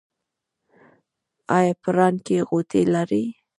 ایا په ران کې غوټې لرئ؟